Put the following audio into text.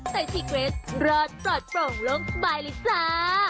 แต่สิเกร็ดรอดปลอดภังลงสบายเลยจ้า